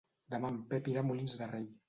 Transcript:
Demà en Pep irà a Molins de Rei.